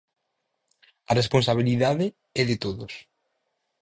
A responsabilidade é de todos.